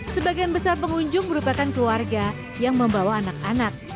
sebagian besar pengunjung merupakan keluarga yang membawa anak anak